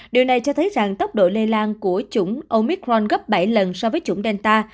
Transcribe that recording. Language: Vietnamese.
điều này cho thấy rằng tốc độ lây lan của chủng omicron gấp bảy lần so với chủng delta